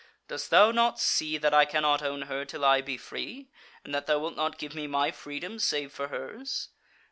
Dost thou not see that I cannot own her till I be free, and that thou wilt not give me my freedom save for hers?